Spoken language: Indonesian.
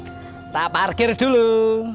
kita parkir dulu